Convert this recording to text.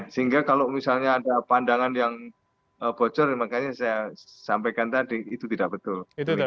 sehingga kalau misalnya ada pandangan yang bocor makanya saya sampaikan tadi itu tidak betul